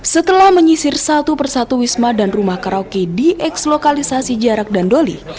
setelah menyisir satu persatu wisma dan rumah karaoke di eks lokalisasi jarek dandoli